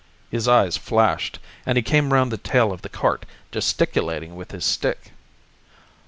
His eyes flashed, and he came round the tail of the cart, gesticulating with his stick.